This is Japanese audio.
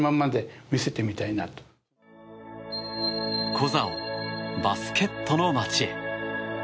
コザをバスケットの街へ。